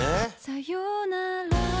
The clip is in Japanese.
「さよなら」